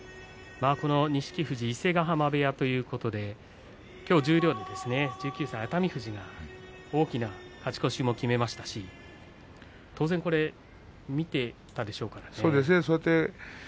この錦富士伊勢ヶ濱部屋ということできょう十両で１９歳熱海富士が大きな勝ち越しを決めましたし当然、見ていたでしょうかね。